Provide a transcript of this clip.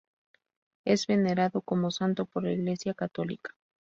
Es venerado como santo por la iglesia católica.